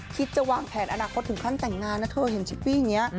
จะวางแผนอนาคตถึงขั้นแต่งงานนะเธอเห็นชิปปี้อย่างนี้